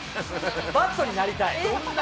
バットになりたい。